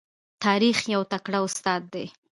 تاریخ یو تکړه استاد دی.